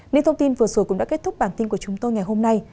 những thông tin vừa rồi cũng đã kết thúc bản tin của chúng tôi ngày hôm nay